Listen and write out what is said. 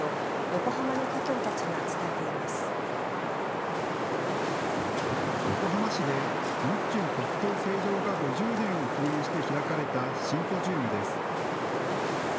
横浜市で日中国交正常化５０年を記念して開かれたシンポジウムです。